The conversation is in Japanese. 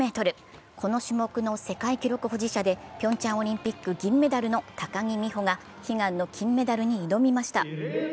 この種目の世界記録保持者でピョンチャンオリンピック銀メダルの高木美帆が悲願の金メダルに挑みました。